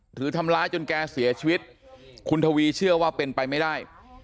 หรือทำร้ายจนแกเสียชีวิตคุณทวีเชื่อว่าเป็นไปไม่ได้